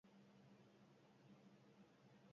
Zuri distiratsuak dira eguzkiaren argia islatzen dutenean.